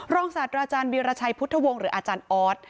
ศาสตราอาจารย์วีรชัยพุทธวงศ์หรืออาจารย์ออส